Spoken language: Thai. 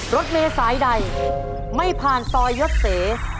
รถเมษายใดไม่ผ่านซอยยศเส